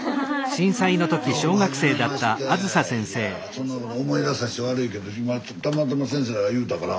そんなもの思い出さして悪いけど今たまたま先生が言うたから。